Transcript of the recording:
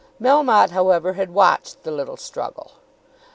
Melmotte, however, had watched the little struggle.